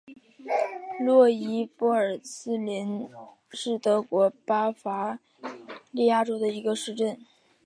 洛伊波尔茨格林是德国巴伐利亚州的一个市镇。